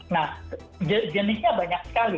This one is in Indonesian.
nah jenisnya banyak sekali